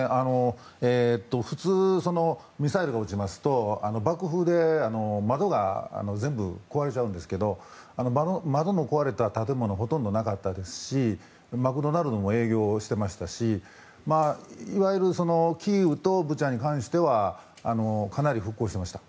普通ミサイルが落ちますと爆風で窓が全部壊れちゃうんですけど窓の壊れた建物はほとんどなかったですしマクドナルドも営業してましたしいわゆるキーウとブチャに関してはかなり復興してました。